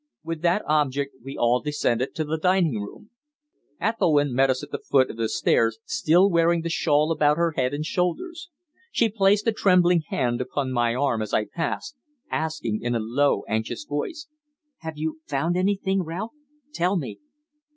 With that object we all descended to the dining room. Ethelwynn met us at the foot of the stairs, still wearing the shawl about her head and shoulders. She placed a trembling hand upon my arm as I passed, asking in a low anxious voice: "Have you found anything, Ralph? Tell me."